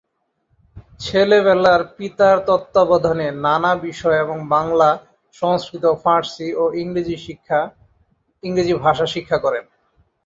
ছেলেবেলার পিতার তত্ত্বাবধানে নানা বিষয় এবং বাংলা, সংস্কৃত, ফার্সি ও ইংরেজি ভাষা শিক্ষা করেন।